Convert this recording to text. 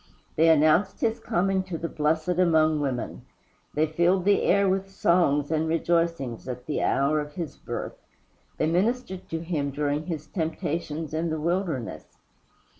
They announced his coming to the Blessed among Women. They filled the air with songs and rejoicings at the hour of his birth. They ministered to him during his temptations in the wilderness.